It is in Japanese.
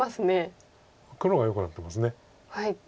黒がよくなってます。